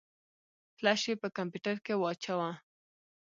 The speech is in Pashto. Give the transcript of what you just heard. فلش يې په کمپيوټر کې واچوه.